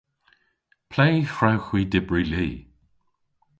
Ple hwrewgh hwi dybri li?